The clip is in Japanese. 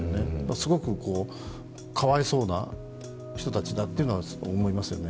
すごくかわいそうな人たちだというのは思いますよね。